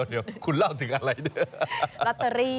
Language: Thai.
เดี๋ยวคุณเล่าถึงอะไรด้วย